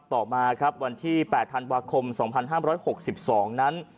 ต่อมาครับวันที่๘ธันวาคม๒๕๖๒นั้น